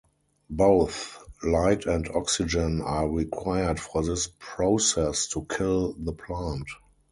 Both light and oxygen are required for this process to kill the plant.